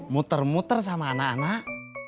muter muter sama anak anak